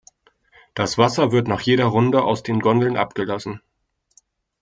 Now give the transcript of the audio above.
Das Wasser wird nach jeder Runde aus den Gondeln abgelassen.